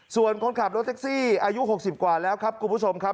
ส่วนคนขับรถแท็กซี่อายุ๖๐กว่าแล้วครับคุณผู้ชมครับ